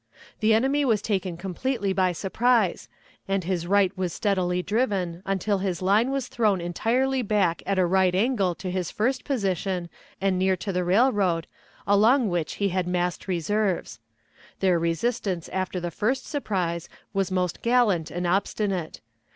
The enemy was taken completely by surprise, and his right was steadily driven until his line was thrown entirely back at a right angle to his first position and near to the railroad, along which he had massed reserves. Their resistance after the first surprise was most gallant and obstinate.